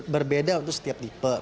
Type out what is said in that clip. berbeda untuk setiap tipe